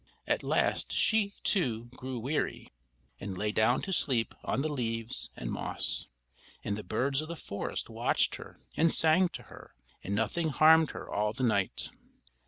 At last she, too, grew weary, and lay down to sleep on the leaves and moss; and the birds of the forest watched her and sang to her, and nothing harmed her all the night.